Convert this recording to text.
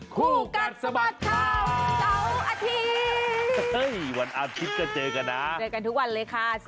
คู่กัดสะบัดข่าวเสาร์อาทิตย์วันอาทิตย์ก็เจอกันนะเจอกันทุกวันเลยค่ะ